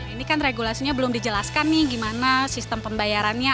ini kan regulasinya belum dijelaskan nih gimana sistem pembayarannya